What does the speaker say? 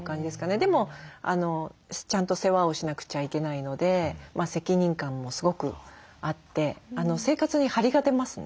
でもちゃんと世話をしなくちゃいけないので責任感もすごくあって生活に張りが出ますね